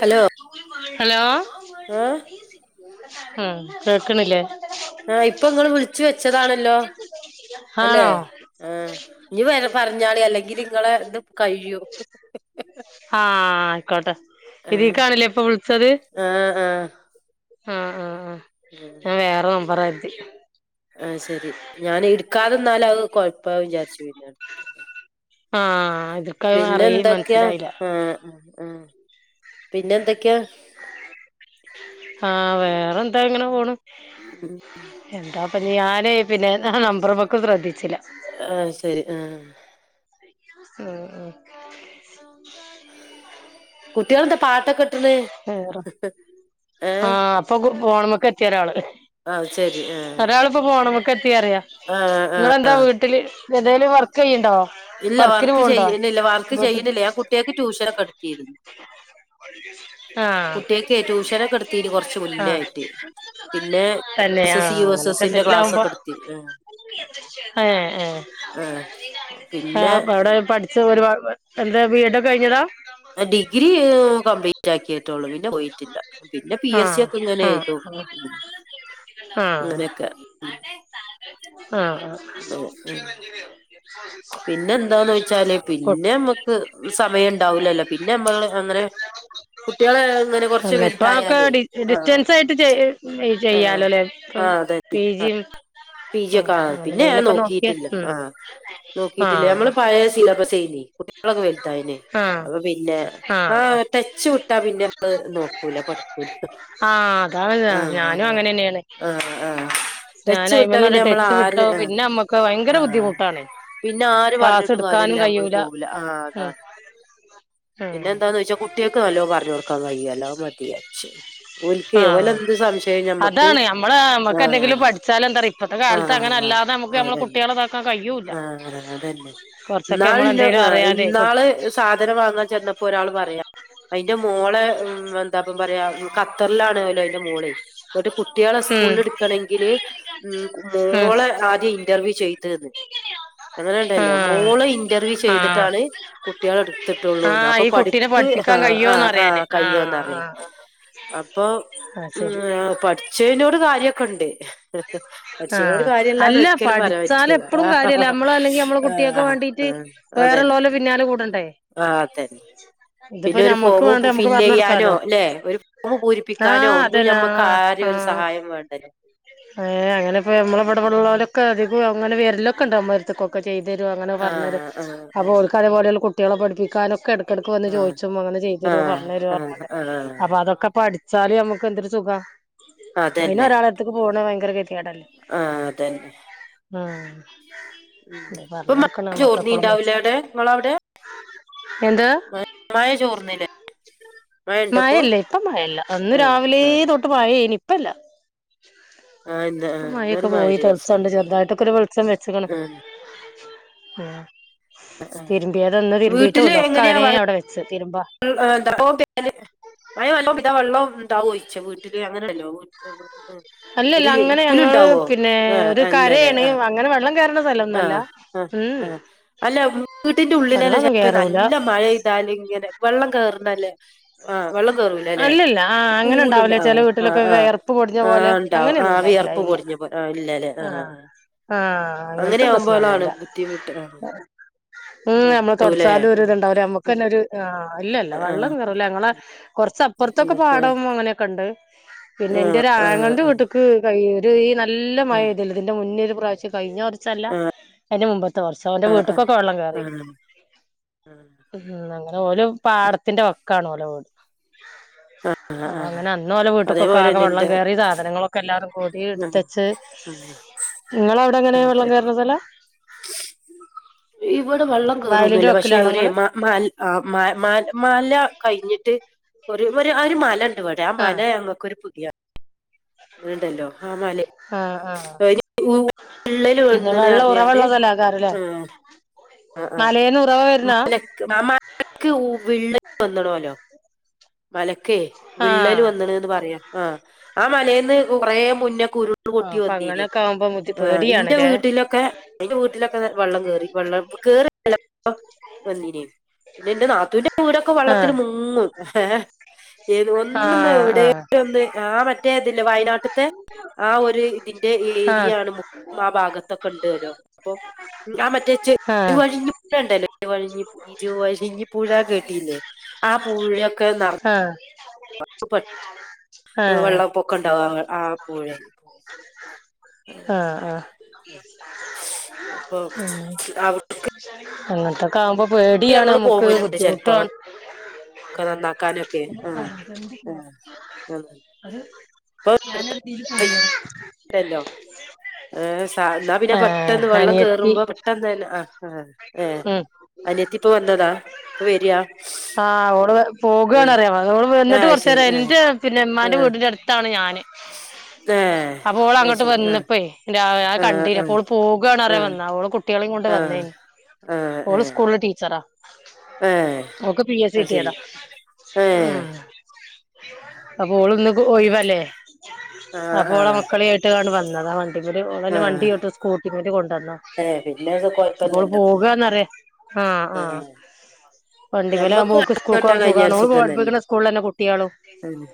Hello hello ആഹ് ആഹ് കേക്ക്ണിലേ ആഹ് ഇപ്പങ്ങള് വിളിച്ച് വെച്ചതാണല്ലോ അല്ലെ ആണോ ആഹ് ഞ്ഞി വേഗം പറഞ്ഞാളി അല്ലെങ്കിലിങ്ങളെ ത് കഴിയും ആഹ് ഐക്കോട്ടെ ആഹ് ഇതീക്കാണ്ലെ ഇപ്പൊ വിൾച്ചത് ആഹ് ആഹ് ആഹ് ആഹ് ആഹ് ഞാം വേറെ നമ്പറാര്തി ആയ് ശെരി ഞാന് ഇട്ക്കാതിര്ന്നാലത് കൊഴപ്പാകും വിചാരിച്ചു പിന്നേട് ആ ഇതൊക്കെ അറിയ പിന്നെന്തൊക്കെയാ മനസ്സിലായില്ല ആഹ് ആഹ് പിന്നെന്തൊക്കെ ആഹ് വേറെന്താ അങ്ങനെ പോണ് എന്താപ്പ ഞാന് പിന്നെ ആഹ് നമ്പറ്മ്മക്കും ശ്രദ്ധിച്ചില ആയ്ശെരി ആഹ് ആഹ് ആഹ് കുട്ട്യാളെന്താ പാട്ടൊക്കെ ഇട്ട്ണ് വേറെ ആഹ് അപ്പൊ ഫോണ്മ്മക്കെത്ത്യോരാള് ആഹ് ശെരി ഏഹ് ഇപ്പ ഫോണ്മ്മക്കെത്തി പറയാ ഇങ്ങളെന്താ ആഹ് വീട്ട്ല് ഏന്തേലും വർക്കെയ്യ്ണ്ണ്ടോ ഇല്ല വർക്ക് ചെയ്യ്ണില്ല വർക്ക് ചെയ്യ്ണില്ല ഞാൻ കുട്ട്യാക്ക് ട്യൂഷനൊക്കെ ഇട്ത്തീര്ന്നു ആഹ് കുട്ടികൾക്ക് ട്യൂഷനൊക്കെ എടുത്തീന് കൊറച്ച് മുന്നേ ആഹ് ആയിട്ട് പിന്നെ തന്നെ എസ് എസ് ആഹ് യു എസ് അങ്ങനെക്കെ എസിന്റെ ക്ലാസ് തന്നാകുമ്പോ ഒക്കെ എടുത്തി ഏഹ് ഏഹ് ആഹ് പിന്നെ ആഹ് വടെ പഠിച്ച ഒരുപാട് എന്താ ബി എഡ്ഡോക്കെ കഴിഞ്ഞതാ ഡിഗ്രീയ് കംപ്ലീ റ്റാക്കിട്ടുള്ളൂ പിന്നെ പോയിട്ടില്ല പിന്നെ പി എസ് സി ആഹ് ഒക്കെ ഇങ്ങനെ ആഹ് എയ്തും ഉം അങ്ങനെക്കെ ഉം ആഹ് ആഹ് അങ്ങനെ ആഹ് [inaudible] പിന്നെ എന്താന്നൊയ്ച്ചാല് പിന്നെ ആഹ് ഞമ്മക്ക് സമയം ണ്ടാവൂലല്ലോ പിന്നെ ഞമ്മള് അങ്ങനെ കുട്ടികളെ ഇങ്ങനെ [inaudible] കൊറച്ച് ഇന്ന്പ്പതൊക്കെ വലുതായാലേ ആഹ് ഡിസ്റ്റൻസായിട്ട് ചെയ് ആഹ് ചെയ്യാലോലെ ആഹ് അതെ പി ജിം പി ജി ആഹ് ഒക്കെ ആ അങ്ങനെന്തേങ്കിലൊക്കെ നോക്ക്യാ ഉം ആ നോക്കീറ്റില്ലേ നമ്മള് പഴേ സിലബസേയ്ന്നു കുട്ട്യാളൊക്കെ വെൽതായ്ലെ ആ അപ്പ പിന്നെ ആ ആഹ് ട്ടെ ച്ച് വ്ട്ടാ പിന്നമ്മള് നോക്കൂല പഠിക്കൂല ആ അതാണ് ആഹ് ഞാനും അങ്ങനെ തന്നെയാണ് ആഹ് ആഹ് ആഹ് ഞാൻ ടച്ച് വ്ട്ടാ അയിമന്നങ്ങട് പിന്നമ്മള് ടച്ച് വിട്ടോ ആര് ആഹ് പിന്നെ നമ്മക്ക് ഭയങ്കര ആഹ് ബുദ്ധിമുട്ടാണ് പിന്നെ ആര് ക്ലാസ് പറഞ്ഞിട്ടും എടുക്കാനും കാര്യല്ല ഞമ്മള് കഴിയൂല പോവൂല്ല ആഹ് ഉം അതാണ് ഉം പിന്നെന്താന്നൊയ്ച്ചാ കുട്ട്യാക്ക് നല്ലോം പർഞ്ഞോട്ക്കാൻ കയ്യോല്ലോ അത് മതിജാര്ച്ചു ഞാൻ ഓൽക്ക് ഓലെന്ത് സംശയം ഞമ്മക്ക് ആഹ് ഞമ്മക്കെന്തെങ്കിലും ആ പഠിച്ചാലെന്തറിയോ ഇപ്പത്തെ ആഹ് ആഹ് കാലത്തങ്ങനല്ലാതെ ഞമ്മക്ക് ഞമ്മളെ അതന്നെ കുട്ട്യാളെ താകാ ക്കാൻ കയൂല്ല ആഹ് അതന്നെ കൊർച്ചൊക്കെ ഇന്നാളിന്നോ നമ്മളെന്തേലും ആഹ് അറിയാതെ കുട്ട് ഇന്നാള് സാധനം വങ്ങാ ചെന്നപ്പോ ഒരാള് പറയാ ഐന്റെ മോളെ ഉം എന്താപ്പം പറയാ ഖത്തറിലാണെല്ലോ ഐന്റെ മോള് ന്ന്ട്ട് കുട്ട്യാളെ ഉം സ്കൂളിൽ ഉം ഇട്ക്കണെങ്കില് ഉം മോളെ ആദ്യം ഇന്റർവ്യൂ ചെയ്ത് ന്ന് അങ്ങനെ ണ്ടല്ലോ ആഹ് മോളെ ഇന്റർവ്യൂ ആഹ് ചെയ്ത്ട്ടാണ് കുട്ട്യാളെ ഇട് എത്തിട്ടുള്ളൂന്ന് ആഹ് അപ്പൊ ഈ കുട്ടീനെ പഠിപ്പ് ആ പഠിപ്പിക്കാൻ ആ കഴിയോന്ന് ആ അറിയാന് ആഹ് കയോന്നറിയാൻ ആഹ് അപ്പൊ ആഹ് ശരി ഉം പഠിച്ചയ്യിനോട് കാര്യൊക്കെ ഉണ്ട് ഉം മനുഷ്യരോട് ആഹ് കാര്യല്ലാന്ന് അല്ല ഒരിക്കലും പറയാൻ പഠിച്ചാല് പറ്റില്ല എപ്പളും ആഹ് കാര്യല്ല നമ്മള് അല്ലെങ്കി നമ്മളെ കുട്ടികൾക്ക് ആഹ് വേണ്ടീട്ട് അതെന്നേ വേറെള്ളോലെ പിന്നാലെ കൂടണ്ടേ അതെന്നേ ഇതിപ്പോ പിന്നെ ഒരു ഞമ്മക്ക് വേണ്ട ഫോമ് ഞമ്മക്ക് ഫില്ല് പറഞ്ഞ് ചെയ്യാനോ കൊടുക്കാലോ അല്ലെ ഒരു ഫോമ പൂരിപ്പിക്കാനോ ആഹ് ഒന്നും അതന്നെ ഞമ്മക്ക് ആ ആഹ് രിം ഒരു ആഹ് സഹായം വേണ്ടല്ലോ ഏഹ് അങ്ങനെ ഇപ്പൊ നമ്മളെ ഇട ഉം. വിെള്ളവലൊക്കെ അധികം അങ്ങനെ വേരലൊക്കെ ഉണ്ട അമ്മരത്ത കൊക്കേ ക്കെ ചെയ്തരുും അങ്ങനെ ആ പറഞ്ഞരു ആ ആ ഓലിക്ക് അതെ പോലുള്ള കുട്ടികളെ പഠിപ്പിക്കാനൊക്കെ എടുക്ക എടക്ക് വന്ന് ആ ചോദിച്ചും അങ്ങനെ ആ ചെയ്യതരോ പറഞ്ഞരോ ആ ആ അപ്പ അതൊക്ക പഠിച്ച് ചാലി നമുക്ക് എന്തൊരു സുഖ അയിന ഒരാളത്തേക്ക് പോണ ഭയങ്കര ഗതി കേട് അല്ലേ ആഹ് അതെന്നേ ആഹ് ഉം ഇപ്പൊ മഴ ചോർന്നിണ്ടാവൂലേ അവിടെ ങ്ങളവിടെ മ മയ ചോർന്നില്ലേ മഴ ഇണ്ടപ്പോ മയല്ല ഇപ്പ മയല്ല അന്ന് ആ രാവിലെ ആ തൊട്ട് മയ്യേണ് ഇപ്പില്ല ആഹ് ഇപ്പ മഴൊക്കെ പോയി തെളിച്ചണ്ട് ചെറുതായിട്ടൊക്കെ ഒരു വെളിച്ചം വെച്ചക്കണ് ആ ആ. തിരുമ്പിയ തൊന്ന് തിരുമ്പിയിട്ടുവില്ല ഒക്കെ അഴെ അവിടെ വെച്ച് തിരുമ്പ ഇൾ എന്ത പ്പൊ പി മയ വല്ലോ ഇതാ വെള്ളം ഇണ്ടാവോയ്യിച്ച വീട്ടില് അങ്ങനെയല്ലോ വീ ആഹ് അല്ലല്ല ഒര് അങ്ങനെ ഞങ്ങള് പുല്ണ്ടാവോ പിന്നെ ഒരു ആഹ് ല്ലല്ലേ കരയാണ് ആഹ് അങ്ങനെ വെള്ളം കേയറണ സ്ഥലൊന്നല്ല ആഹ് ആ ഉം ആ അല്ല വീട്ടിന്റെ ഉള്ളിലാന്ന് വെള്ളൊന്നും ചിലപ്പോ കേറൂല നല്ല മഴെ എന്താലി ഇങ്ങനെ വെള്ളം കേറുന്നല്ലേ ആ വെള്ളം കേറൂല്ല ല്ലേ അല്ലല്ല ആ അങ്ങനെ പൂലുണ്ട് ഉണ്ടാവില്ല ആ ചില ആ് വീട്ടിലൊക്കെ ആഹ് വിയർപ്പ് പൊടിഞ്ഞ ആ് പോലെ ഉണ്ടാവും ആ് അങ്ങനെയൊന്നുംല്ല ഇല്ല വിയർപ്പ് ഇല്ല പൊടിഞ്ഞ പോ ആഹ് ഇല്ലല്ലേ ആഹ് ആഹ് ആഹ് ആഹ് അങ്ങനെ അങ്ങനത്തെ ആവുമ്പോളാണ് പ്രശ്നൊന്നുല്ല ബുദ്ധിമുട്ട് ആഹ് ഉം ആഹ് നമ്മള് ട്ടൂലേ തൊടച്ചാലും ഒരു ഇത് ആഹ് ഉണ്ടാവുല കന ഒരു ആഹ് ഇല്ലല്ല വെള്ളം ആഹ് കേറുല്ല ഞങ്ങളെ കൊറച്ച് പൊറത്തൊക്കെ പാടവും അങ്ങനെയൊക്കെണ്ട് പിന്നെ ആഹ് ആഹ് എന്റെ ഒരു ആഹ് അങ്ങന്റെ വീട്ടിക്ക് കയ്യ് ഒരു ഈ നല്ല മഴ ഇതിന്റെ മുന്നൊരു പ്രാവശ്യം കഴിഞ്ഞ സെർല എന്റെ മുമ്പത്തെ വർഷം എന്റെ ആഹ് ആഹ് ആഹ് വീട്ടിക്കൊക്കെ വെള്ളം കേറി ആഹ് ആഹ് ഉം അങ്ങനെ ഓല പാടത്തിന്റെ വക്കാണ് ഓലോ [inaudible] ആഹ് ആഹ് അപ്പ അങ്ങനെ അന്ന ഓല വീട്ടി ക്കൊക്കെ ആകെ അതേപോലെന്നെ വെള്ളം ഇന്റെ കയറി സാധനങ്ങളൊക്കെ എല്ലാരും കൂടി ആഹ് എടുത്തച്ച് ആഹ് ങ്ങളവിടെ എങ്ങനെ അത് വെള്ളം ശരി കയറണ സ്ഥലം ഇവിടെ വെള്ളം വയലിന്റെ കേറൊന്നുല്ല പക്ഷെ വക്കിലാണോ ഒരു ഇങ്ങള് മ മൽ ആ മല മല മല കഴിഞ്ഞിട്ട് ഒരു ഒരു മല അത് പോട്ടെ ആ മല ആഹ് ഞങ്ങക്ക് ഒരു പുതിയാണ് [inaudible] അങ്ങനണ്ടല്ലോ ആ മലേ ആഹ് ആഹ് [unintelligible] വിള്ളല് പിന്നെ വന്ന്ണ് വെള്ളം പറഞ്ഞാണ്ട് ഉറവള്ള സ്ഥലാക്കാരല്ലേ ആ ആ ആ മലേന്ന് ഉറവ വരുന്നാ മലക്ക് ആ മലക്ക് വിള്ളല് വന്ന് ണോലോ മലക്കേ വിള്ളല് ആഹ് വന്നണന്ന് പറയാ ആ ആ മലയിൽന്ന് കുറേ മുന്ന കുരു ഉരുൾ ആഹ് പൊട്ടി അപ്പൊ വന്നിനി അങ്ങനെയൊക്കെ ആവുമ്പോ ബുദ്ധി ഇന്റെ പേടിയാണ്ല്ലേ വീട്ടിൽ ഒക്കെ എന്റെ വീട്ടിലൊക്കെ ദെ വെള്ളം കേറി വെള്ളം കേറി വെള്ളം വന്നിനി പിന്നെ ഇന്റെ നാത്തുന്റെ വീടൊക്കെ വെള്ളത്തില് ആഹ് മുങ്ങും ഏ ഏത് ഒന്നന്ന് ആഹ് ഇവിടെ ആഹ് ഒന്ന് ആ മറ്റേ ഇതില്ല വയനാട്ട് ത്തെ ആ ഒരു ഇതിന്റെ ആഹ് ഏരിയയാണ് മുക്കം ഭാഗത്തഒക്കെ ണ്ടോലോ ആ മറ്റേ ച്ചു ഇരിവഴിഞ്ഞി പുഴ ഉണ്ടല്ലേ ഇരിവഴിഞ്ഞി ഇരിവഴിഞ്ഞി പുഴ കേട്ടില്ലേ ആ പുഴ [inaudible] ആഹ് ആഹ് വെള്ളപ്പൊക്കം ഉണ്ടാവും ആ പുഴെ ആഹ് ആഹ് [inaudible] മ്മ് അവിടെ അങ്ങത്തൊക്കെ ആവുമ്പ പേടിയാണ് ഞങ്ങള് നമ്മുക്ക് ബുദ്ധിമുട്ടാണ് ഒക്കെ നന്നാകാന് ആ [unintelligible] അത് ഞാൻ ഒരു തീല് പറഞ്ഞതാ ട്ടെല്ലോ ആഹ് സ എന്നാ പിന്നെ ആഹ് പെട്ടെന്ന് വെള്ളം അനിയത്തി കേറുമ്പോ പെട്ടെന്ന് തന്നെ ആഹ് ആഹ് ഏ ഉം അനിയത്തി ഇപ്പ വന്നതാ ഇപ്പൊ വരിയാ ആഹ് ഓള് പോകെണ് ആഹ് പറയാൻ വന്നതാ ഓള് വന്നട്ട് ആഹ് കൊറച്ച് ശരി നേരായി ആഹ് എന്നിട്ട് പിന്നെ ഉമ്മാന്റെ ആഹ് വീടിന്റെ അടുത്ത് അടുത്താണ് ഞാന് [inaudible] അപ്പോൾ ഓൾ അത് അങ്ങോട്ട് ശരി ആഹ് വന്നപ്പോ എന്താ ആഹ് കണ്ടിന് ആഹ് ഓള് പോകുകാണ് പറിയൻ ആഹ് വന്നത ഓള് കുട്ടികളെമ് കൊണ്ട് ആഹ് വന്നേ ആഹ് ഓള് ഏഹ് സ്കൂൾ ടീച്ചറ ആഹ് ഏഹ് ഓൾക്ക് പി എസ് സി അത് ശരി കിട്ടിയതാ ഏഹ് അപ്പോൾ ഇന്ന് ഒയിവല്ലേ ആഹ് അപ്പോളാ ആഹ് മക്കളെ ആയിട്ട് ഇന്ന് ഇങ്ങട്ട് വന്നതാ അയക്കൂടെ ഓളെന്നെ ആഹ് വണ്ടിഓട്ടും സ്കൂട്ടി മെല്ല് കൊണ്ടന്നതാ ഏഹ് പിന്നെ അത് അപ്പോൾ ഓൾ കൊഴപ്പല്ലല്ലോ പോക ന്നറിയ. ആഹ് ആഹ് വണ്ടി മേല് ഞമ്മക്ക് ആക്കുബോ ഓൾക്ക് വണ്ടി സ്കൂൾ ഓട്ടാൻ പോവാൻ കഴിഞ്ഞ സുഖണോ ഒരു ഓള് സുഖം പഠിപ്പിക്കുന്ന സ്കൂളിലെ തന്നെ കുട്ടിയാണും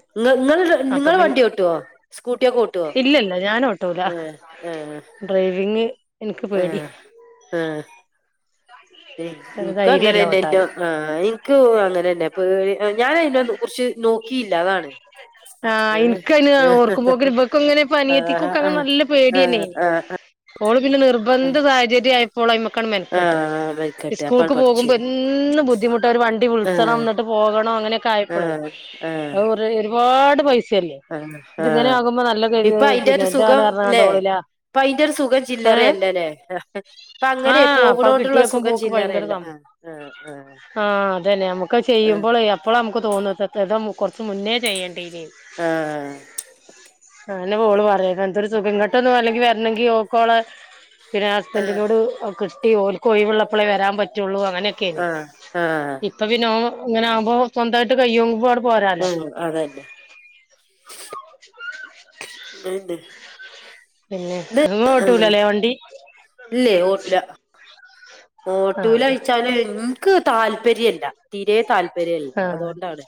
നിങ്ങ നിങ്ങൾ നിങ്ങൾ വണ്ടി ഓട്ടോ സ്കൂട്ടിയൊക്കെ ഓട്ടോ ഇല്ലല്ല ഞാൻ ഓട്ടൂല ആഹ് ആഹ് ഡ്രൈവിങ് ഇനിക്ക് പേടിയ ആഹ് ഒരു ഇനക്ക് ധൈര്യല്ല അങ്ങനെണ്ടായിറ്റോ ഓട്ടാന് ആഹ് ഇൻ കു അങ്ങനെ തന്നെ പേടി ഞാനയിന കുറച്ച് നോ ആഹ് ഇനിക്ക് അയിന് ഓർക്കുപോക്കും ഇവർക്ക് അങ്ങനെ അനിയത്തിക്കു ആഹ് അങ്ങനെ ആഹ് നല്ല പേടിയാന്നെ ആഹ് ആഹ് ഓള് പിന്നെ നിർബന്ധ ആഹ് സാഹചര്യം ആയപ്പോൾ ഓള് അയ്മക്ക് അങ്ങോട്ട് മെനക്കെട്ട് ആഹ് മരിക്കട്ടെ അപ്പാണ് സ്കൂൾക്ക് പോകുമ്പോ പഠിച്ചത് എന്നും ബുദ്ധിമുട്ട ഒരു വണ്ടി വിളിച്ചണം ആഹ് എന്നിട്ട് പോകണം അങ്ങനെയെകാ ആയപ്പളെ ആഹ് ആ ഒരുപാട് പൈസ ശെരിയാ ആഹ് ഇത് ഇങ്ങനെ ആഹ് ആകുമ്പോ നല്ല [unintelligible] എന്താണ് പറഞ്ഞണ്ടോളില പ്പായിന്റെ സുഖം ചില്ലറയല്ല അല്ലേ അപ്പ അങ്ങനെ ആഹ് അപ്പൊ പോവുന്ന കൊണ്ടുള്ള കിട്ടിയേക്കും സുഖം പോക്ക് ഭയങ്കര ചില്ലറയല്ലേ സമ്മ ആഹ് ആഹ് ആഹ് ആഹ് അതനെ നമ്മുക്ക് അത് ആഹ് ചെയ്യുമ്പോളെ ഇപ്പോഴ നമുക്ക് തോന്ന കുറച്ച് മുന്നേ ചെയ്യടെലെ ആഹ് ആഹ് അതന്നെ ഓള് പറയാണ് എന്തൊരു സുഖം ഇങ്ങോട്ടൊന്നും അല്ലെങ്കി വരണെങ്കിഓൾക്ക് ഓളെ പിന്നെ ആഹ് ഹസ്ബന്റിനോട്അവകിഷ്ട്ടി ഓൾക്ക് ഓഴിവിള്ളപ്പളേ വരാൻ പറ്റുള്ളൂ അങ്ങനെ ആഹ് ആഹ് അപ്പ പിന്നെ ഓൻ ഇങ്ങനാവുമ്പോ സൊന്തായ്ട്ട് കയ്യുമ്പോങ്ങട് പോരാ ഉം ആണല്ലെ അയ്ന്തെ പിന്നെ നിങ്ങ ഓട്ടുല്ലലെ വണ്ടി ഇല്ലേ ഓട്ടുല ആഹ് ഓട്ടൂലഴിച്ചാല് ൻക്ക് താല്പര്യല്ല തീരെ താല്പര്യല്ല ആഹ് അതുകൊണ്ടാണ്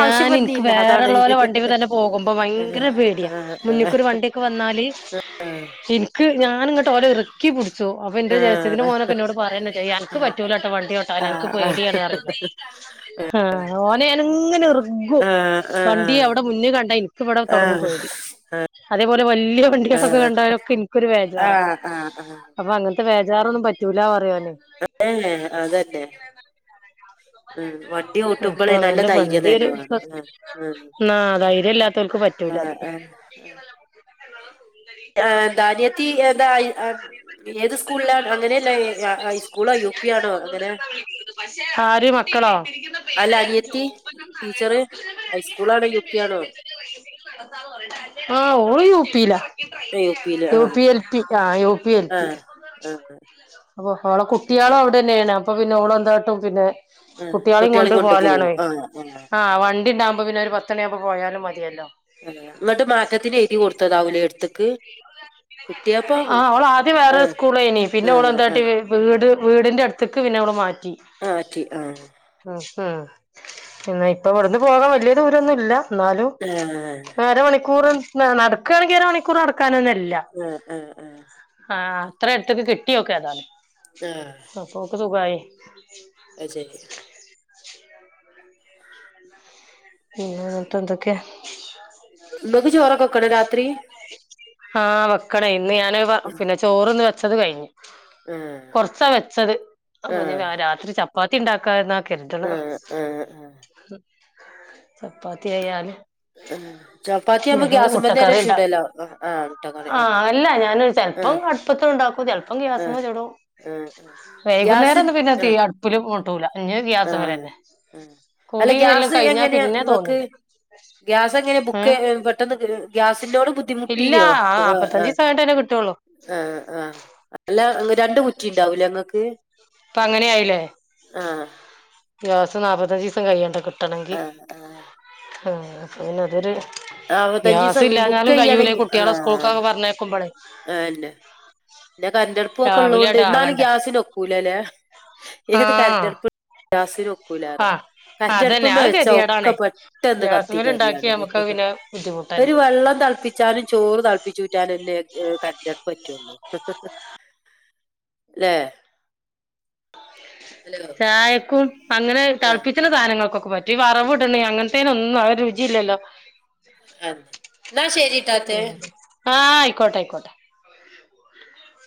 ഞാൻ എനിക്ക് വന്നീല അതാണ് വേറെള്ളോലെ വണ്ടിമ്മെ തന്നെ പോകുമ്പോ ആഹ് ഭയ്ങ്കര പേടിയ ആഹ് മുന്നിക്കൊരു വണ്ടിയൊക്കെ വന്നാല് ൻക്ക് ഞാനിങ്ങട്ട് ഓലെറിക്കി പുടിച്ചു അപ്പൊ ന്റെ ജേഷ്ടത്തിന്റെ മോനൊക്കെ എന്നോട് പറയന്നെ ചെയ്യാൻ ന്ക്ക് പറ്റൂല്ലാട്ടോ വണ്ടിയോട്ടാന് ആഹ് ന്ക്ക് ആഹ് പേട്യാണ് പറയ്ന്നെ ങ്ഹാ ഓനെയാന്ങ്ങനെ ർഗും വണ്ടി അവിടെ മുന്നേ കണ്ടായി ൻക്കിവ്ടെ ആഹ് ആഹ് തൊടങ്ങും ആഹ് ആഹ് ആഹ് പേടി അതേപോലെ വല്ല്യാ വണ്ടികളക്കെ കണ്ടാലൊക്കെ ൻക്കൊരു വേജാറാ ആഹ് ആഹ് ആഹ് ആഹ് അപ്പൊ അങ്ങൻത്തെ വേജാറൊന്നും പറ്റൂല പറയോന് അതന്നെ അതന്നെ ആഹ് വൺ അപ്പൊ ണ്ടിഓട്ടുമ്പളെ നല്ല ധൈര്യം തന്നെ വാണം അല്ലെ അഹ് ന്നാ ധൈര്യല്ലാത്തോൽക്ക് പറ്റൂലത് യാ ന്താനിയത്തി യെന്തായ് ആം ഏത് സ്കൂള്ല അങ്ങനെയല്ല ഏ ആഹ് ഐ സ്കൂളോ യൂ പിയാണോ അങ്ങനെ ആര് മക്കളോ അല്ല അനിയത്തി ടീച്ചറ് ഹൈസ്കൂളാണോ യൂ പി ആണോ ആഹ് ഓള് യൂപ്പീല യൂപ്പീഎൽ പ്പി യായോ ആഹ് ആന്ന് അവ്വോ ഓളെ കുട്ട്യാളും അവ്ടെന്നാണ് അപ്പൊ പിന്നെ ഓളെന്താട്ടും പിന്നെ ആഹ് കുട്ട്യാള് ന്ന്ട്ട്പോകലാണ് വേം ആഹ് വണ്ടിണ്ടാവുമ്പോ പിന്നെ ഒരു പത്ത്ണിയാവുമ്പോ പോയാലും മതിയല്ലോ ആഹ്ഹഹ ന്നിട്ട് മാറ്റത്തിന് എയ്തി കൊടുത്തതാവൂലേ എട്ത്ക്ക് ആഹ് ഓളാദ്യം ആ വേറൊര്സ്കൂള്ലേനി പിന്നെ ആ ആ ഓളെന്താട്ടി വേ വ്ട് വീടിന്റെ അട്ത്തെക്ക് പിന്നവള് മാറ്റി ആ റ്റി ആ ഉം ഉം പിന്നെ ഇപ്പവിടുന്ന് പോകാ വല്യ ദൂരൊന്നുല്ല ന്നാലും ആ അര മണിക്കൂറ് ന് നടക്കാണ്ങ്കി അര മണിക്കൂറ് നടക്കാനന്ന്ല്ല ആ ആ ആ ആഹ് അത്ര അടുതെക്കെ കിട്ടിയോക്ക് ഏതാലും ആ ഓക്ക് സുഗായ് അത് ശരി പിന്ന ന്ന്ട്ടെന്തൊക്കെയാ ങ്ങക്ക് ചോറൊക്കെ വെക്കണോ രാത്രി ആഹ് വക്കണേയ് ഇന്ന് ഞാന് വാ പിന്നെ ചോറ്ന്ന് വെച്ചത് കയിഞ്ഞ് ആഹ് കൊറച്ചാ വെച്ചത് അപ്പൊ നി ആഹ് വാ രാത്രി ചപ്പാത്തി ണ്ടാക്കാന്ന കെര്തണ് ആഹ് ആഹ് ആഹ് ഹും ചപ്പാത്തി ആയാല് ആഹ് ചപ്പാത്തി ആമ്പോ എന്തേലും ഗ്യാസ്മെന്നെ മുട്ടക്കറി ഉണ്ടാക്കും ചുടലാ ആഹ് ആഹ് മുട്ടക്കറി ആഹ് അതന്നെ അല്ല ഞാന് ചെലപ്പം ആഹ് അടുപ്പത്ത്ണ്ടാക്കും ചെലപ്പം ആഹ് ഗ്യാസ്മ്മ ചുടും ആഹ് ആഹ് ഗ്യാസിൽ വൈകുന്നേരൊന്നും പിന്നെ തീ ആഹ് അടുപ്പില് പൂട്ടൂല പിന്നെ ആഹ് ഗ്യാസ്മ്മലെന്നെ ആഹ് അല്ല കുളിയല്ലാം ഗ്യാസ് കഴിഞ്ഞാ എങ്ങനെയാ പിന്നെ ഇങ്ങക്ക് തോന്നൂല ഗ്യാസ് എങ്ങനെ ബുക്ക് ചെ ഏഹ് എ പെട്ടെന്ന് ഗ്യാസിനോട് ബുദ് ഇല്ല ദ്ധിമുട്ടീനോ ആ ആഹ് നാപ്പത്തഞ്ച് ആഹ് ദിവസം കഴിഞ്ഞിട്ടല്ലേ കിട്ടുള്ളൂ ആഹ് ആഹ് അല്ല ഇങ്ങ് രണ്ട് കുറ്റി ണ്ടാവൂലെങ്ങക്ക് ഇപ്പങ്ങനെയായില്ലേ ദെവസം നാല്പത്തഞ്ച് ദീസം കയ്യണ്ട കിട്ട തലങ്കി ആഹ് ആഹ് ആഹ് പിന്നതൊരു അറുപത്തഞ്ചീസം ബുക്ക് ഗ്യാസില്ലാഞ്ഞാലും കയ്യുല ഈ ചെയ്യാണെങ്കി കുട്ടിയളെ ആഹ് സ്കൂൾക്കൊക്കെ പറഞ്ഞയക്കുമ്പളെ അന്നെ പിന്നെ കരന്റടുപ്പുക്കെ ള്ളതോണ്ട് ന്നാലും ഗ്യാസിനൊക്കൂലല്ലേ ഏത് ആഹ് കരന്റടുപ്പും ആ ഗ്യാസിനൊക്കൂലറിയ. അതന്നെ കരിന്റടുപ്പ്മ അത് വെച്ചാ ഒക്കെ ഗതികേടാണേ പെട്ടെന്ന് കത്തി ഗ്യാസ്മേല് കരിയാണ് ഉണ്ടാക്കിയ നമുക്ക് പിന്നെ ബുദ്ധിമുട്ടന്നെ ഒരു വെള്ളം തിളപ്പി ച്ചാല് ചോറ് തളപ്പിച്ചുറ്റാനും എന്നെ കരന്റടുപ്പറ്റുള്ളൂ. ല്ലേ ചായക്കും അങ്ങനെ ആ തളപ്പി സധനങ്ങകൊക്കെ പറ്റും ഈ വറവ് ഇടണ അങ്ങനത്തേനും ഒന്നും അഹ്ഒരുചില്ലല്ലോ. അഹ് എന്നാ ശരിട്ടാത്തെ. ആഹ് അയിക്കോട്ടെ ആയിക്കോട്ടെ.